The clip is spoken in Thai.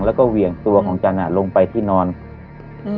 แล้วก็เหวี่ยงตัวของจันอ่ะลงไปที่นอนอืม